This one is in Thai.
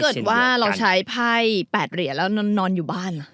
เกิดว่าเราใช้ไพ่๘เหรียญแล้วนอนอยู่บ้าน